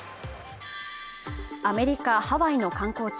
アメリカハワイの観光地